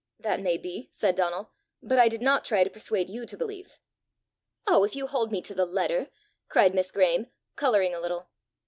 "That may be," said Donal; "but I did not try to persuade you to believe." "Oh, if you hold me to the letter!" cried Miss Graeme, colouring a little.